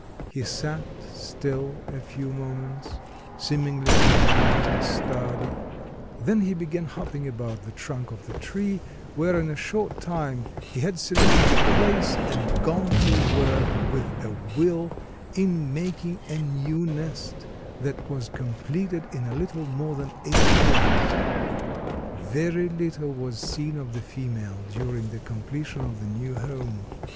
He sat still a few moments, seemingly in a brown study, then he began hopping about the trunk of the tree, where in a short time he had selected a place and gone to work with a will in making a new nest, that was completed in a little more than eight days. Very little was seen of the female during the completion of the new home.